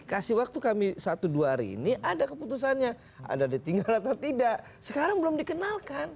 kasih waktu kami satu dua hari ini ada keputusannya ada ditinggal atau tidak sekarang belum dikenalkan